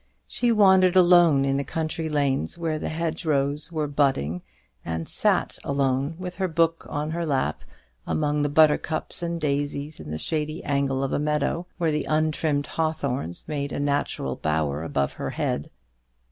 She wandered alone in the country lanes where the hedgerows were budding; and sat alone, with her book on her lap, among the buttercups and daisies in the shady angle of a meadow, where the untrimmed hawthorns made a natural bower above her head.